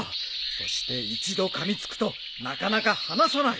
そして一度かみつくとなかなか離さない。